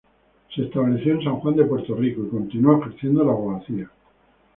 Se estableció en San Juan, Puerto Rico, y continuó ejerciendo la abogacía.